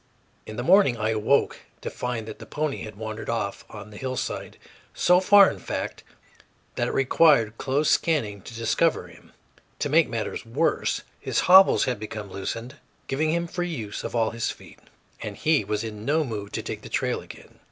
In the morning I awoke to find that the pony had wandered far off on the hillside, so far, in fact, that it required close scanning to discover him. To make matters worse, his hobbles had become loosened, giving him free use of all his feet, and he was in no mood to take the trail again.